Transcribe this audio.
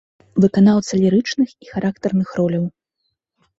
Выканаўца лірычных і характарных роляў.